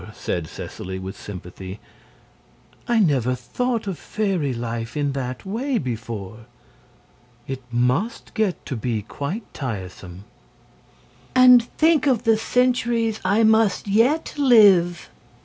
said Seseley, with sympathy. "I never thought of fairy life in that way before. It must get to be quite tiresome." "And think of the centuries I must yet live!"